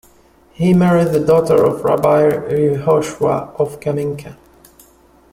He married the daughter of Rabbi Yehoshua of Kaminka.